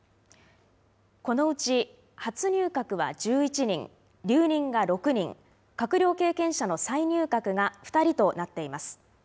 このうち初入閣は１１人、留任が６人、閣僚経験者の再入閣が２人となっています。